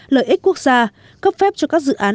lợi ích quốc gia cấp phép cho các dự án